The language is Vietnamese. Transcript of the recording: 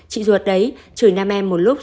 chị ruột đấy chửi nam em một lúc